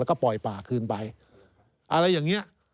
แล้วก็ปล่อยป่าคืนไปอะไรอย่างนี้